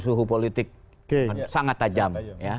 suhu politik sangat tajam